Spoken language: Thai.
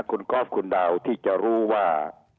คุณกอล์ฟคุณดาวที่จะรู้ว่า